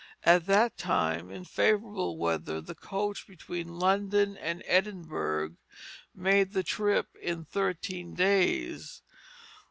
At that time, in favorable weather, the coach between London and Edinburgh made the trip in thirteen days.